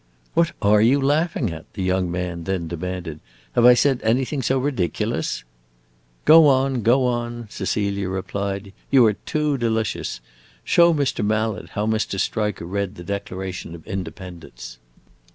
"What are you laughing at?" the young man then demanded. "Have I said anything so ridiculous?" "Go on, go on," Cecilia replied. "You are too delicious! Show Mr. Mallet how Mr. Striker read the Declaration of Independence."